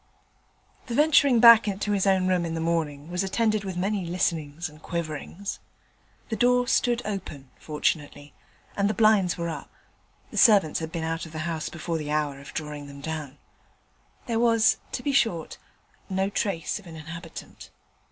The venturing back to his own room in the morning was attended with many listenings and quiverings. The door stood open, fortunately, and the blinds were up (the servants had been out of the house before the hour of drawing them down); there was, to be short, no trace of an inhabitant.